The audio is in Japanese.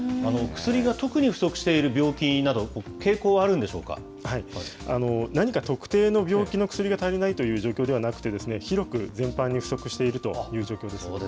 薬が特に不足している病気など、何か特定の病気の薬が足りないという状況ではなくて、広く全般に不足しているという状況です。